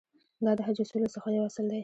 دا د حج اصولو څخه یو اصل دی.